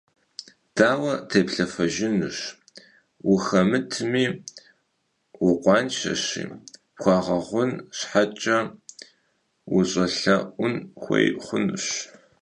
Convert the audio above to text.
Daue têplhefejjınu vuxemıtmi vukhuanşşeşi pxuağeğun şheç'e vuş'elhe'un xuêy xhunuş.